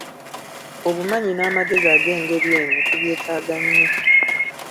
Obumanyi n’amagezi ag’engeri eno tubyetaaga nnyo.